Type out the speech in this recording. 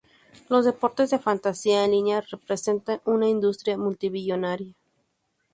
Los deportes de fantasía en línea representan una industria multi-billonaria.